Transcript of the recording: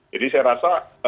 jadi saya rasa